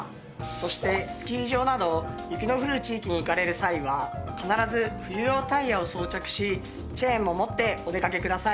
そしてスキー場など雪の降る地域に行かれる際は必ず冬用タイヤを装着しチェーンも持ってお出かけください。